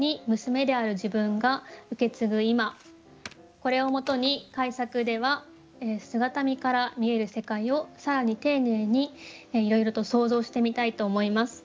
これを元に改作では姿見から見える世界を更に丁寧にいろいろと想像してみたいと思います。